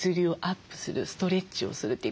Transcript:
ストレッチをするという。